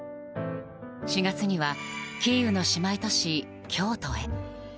４月にはキーウの姉妹都市京都へ。